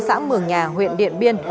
xã mường nhà huyện điện biên